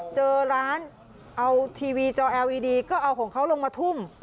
เจอร้านเอาทีวีจอแอร์วีดีก็เอาของเขาลงมาทุ่ม